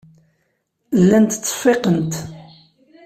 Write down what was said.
Llant ttseffiqent.